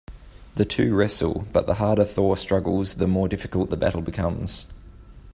The two wrestle but the harder Thor struggles the more difficult the battle becomes.